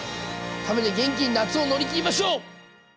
食べて元気に夏を乗り切りましょう！